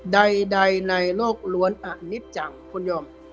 ใดในโลกล้วนอันนี้จังคุณยอม